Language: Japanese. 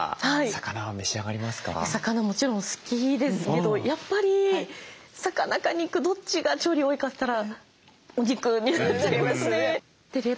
魚もちろん好きですけどやっぱり魚か肉どっちが調理多いかといったらお肉になっちゃいますね。